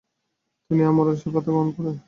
তিনি আমরণ সে ভাতা গ্রহণ করেন।